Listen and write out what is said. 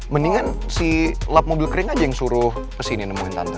mendingan si lap mobil kering aja yang suruh kesini nemuin tante